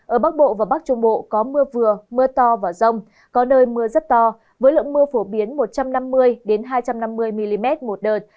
ở bắc bộ và bắc trung bộ có mưa vừa mưa to và rông có nơi mưa rất to với lượng mưa phổ biến một trăm năm mươi hai trăm năm mươi mm một đợt